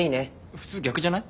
普通逆じゃない？